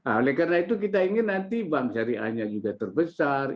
oleh karena itu kita ingin nanti bank syariahnya juga terbesar